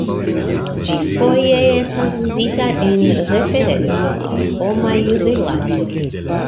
Ĝi foje estas uzita en referenco al homaj rilatoj.